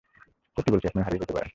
সত্যি বলছি আপনি হারিয়েও যেতে পারেন।